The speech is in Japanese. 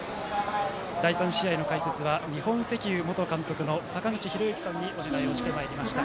第３試合の解説は日本石油元監督の坂口裕之さんにお願いしてまいりました。